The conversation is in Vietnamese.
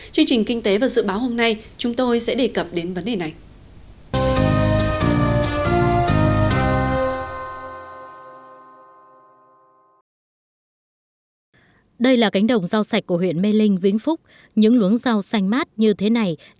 chương trình kinh tế và dự báo hôm nay chúng tôi sẽ đề cập đến vấn đề này